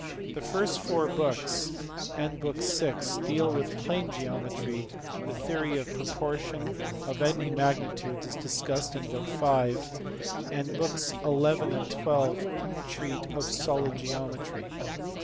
The first four books and book vi. deal with plane geometry; the theory of proportion (of any magnitudes) is discussed in book v. ; and books xi. and XH. treat of solid geometry.